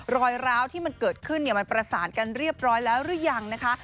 รอยร้าวที่มันเกิดขึ้นมันประสานกันเรียบร้อยแล้วหรือยังนะคะ